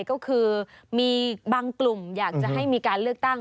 ก็คือมีบางกลุ่มอยากจะให้มีการเลือกตั้ง